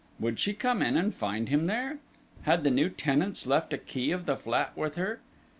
Would she come in and find him there? Had the new tenants left a key of the flat with her?